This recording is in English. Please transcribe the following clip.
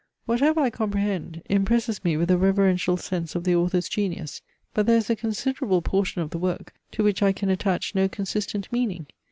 Whatever I comprehend, impresses me with a reverential sense of the author's genius; but there is a considerable portion of the work, to which I can attach no consistent meaning.